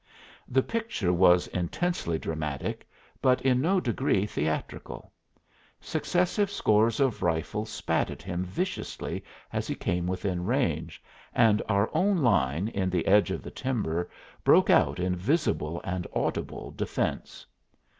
The picture was intensely dramatic, but in no degree theatrical. Successive scores of rifles spat at him viciously as he came within range, and our own line in the edge of the timber broke out in visible and audible defense.